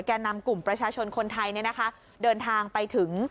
แก่นำกลุ่มประชาชนคนไทยเดินทางไปถึง